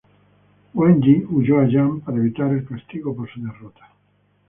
Huan Yi huyó a Yan para evitar el castigo por su derrota.